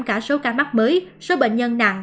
cả số ca mắc mới số bệnh nhân nặng